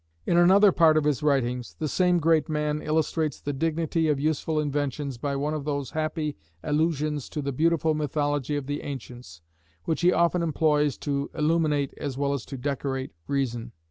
In another part of his writings the same great man illustrates the dignity of useful inventions by one of those happy allusions to the beautiful mythology of the ancients, which he often employs to illuminate as well as to decorate reason.